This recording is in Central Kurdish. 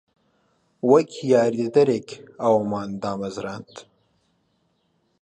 وەک یاریدەدەرێک ئەومان دامەزراند.